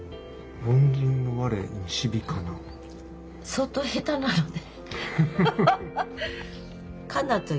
相当下手なのね。